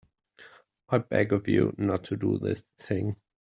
I beg of you not to do this thing.